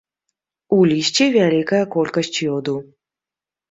У лісці вялікая колькасць ёду.